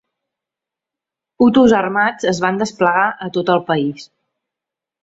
Hutus armats es van desplegar a tot el país.